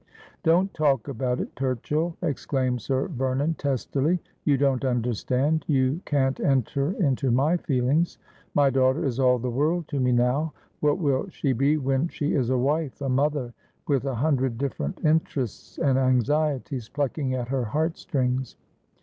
' Don't talk about it, Turchill,' exclaimed Sir Vernon testily. ' You don't understand— you can't enter into my feelings. My daughter is all the world to me now. What will she be when she is a wife, a mother, with a hundred different interests and anxieties plucking at her heart strings?